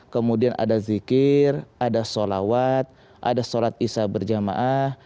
kemudian ada zikir ada sholawat ada sholat isya berjamaah